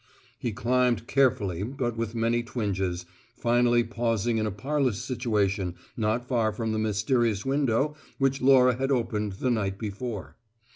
He climbed carefully but with many twinges, finally pausing in a parlous situation not far from the mysterious window which Laura had opened the night before.